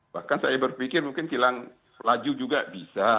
bahkan saya berpikir mungkin kilang laju juga bisa